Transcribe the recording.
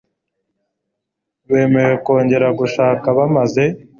bemerewe kongera gushaka bamaze